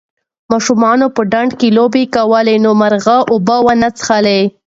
ماشومانو په ډنډ کې لوبې کولې نو مرغۍ اوبه ونه څښلې.